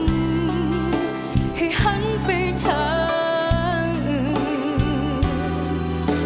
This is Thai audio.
ให้หันไปทางอื่น